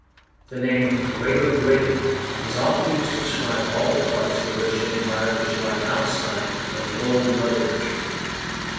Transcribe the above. The name 'Greater Britain' is often used to describe all the parts of the British Empire which lie outside of the old mother country.